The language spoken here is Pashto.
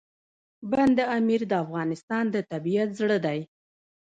بند امیر د افغانستان د طبیعت زړه دی.